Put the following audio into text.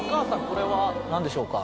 これは何でしょうか？